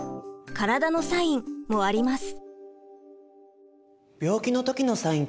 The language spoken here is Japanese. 身体のサインもあります。